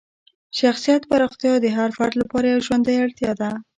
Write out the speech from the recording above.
شخصیت پراختیا د هر فرد لپاره یوه ژوندۍ اړتیا ده.